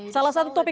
salah satu topik